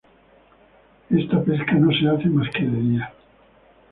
Esta pesca no se hace más que de día.